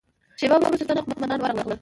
شېبه وروسته څو تنه قوماندانان ورغلل.